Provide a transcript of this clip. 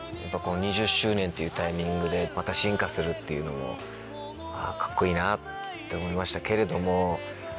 ２０周年っていうタイミングでまた進化するっていうのもカッコいいなって思いましたけれども。